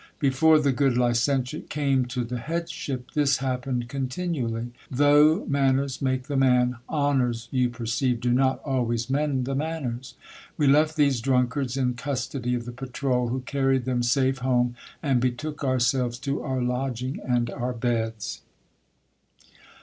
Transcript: Before the good licentiate came to the headship this happened continually. Though man ners make the man, honours, you perceive, do not always mend the manners. We left these drunkards in custody of the patrole, who carried them safe home, and betook ourselves to our lodging and our beds.